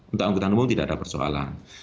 untuk angkutan umum tidak ada persoalan